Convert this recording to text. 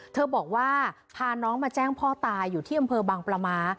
บอกว่าพาน้องมาแจ้งพ่อตายอยู่ที่อำเภอบางปลาม้า